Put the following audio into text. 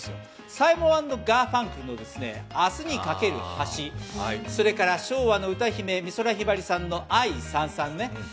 サイモン＆ガーファンクルの「明日に架ける橋」、それから昭和の歌姫、美空ひばりさんの「愛燦燦」。